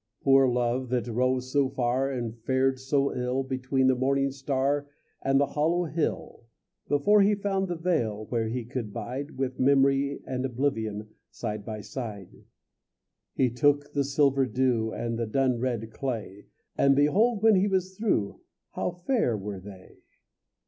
Poor Love that roved so far And fared so ill, Between the morning star And the Hollow Hill, Before he found the vale Where he could bide, With memory and oblivion Side by side. He took the silver dew And the dun red clay, And behold when he was through How fair were they!